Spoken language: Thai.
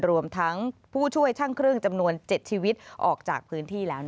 รวมทั้งผู้ช่วยช่างเครื่องจำนวน๗ชีวิตออกจากพื้นที่แล้ว